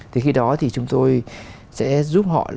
thì khi đó thì chúng tôi sẽ giúp họ